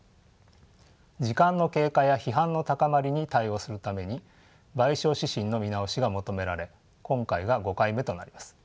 時間の経過や批判の高まりに対応するために賠償指針の見直しが求められ今回が５回目となります。